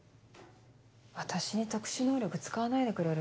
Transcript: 私に特殊能力使わないでくれる？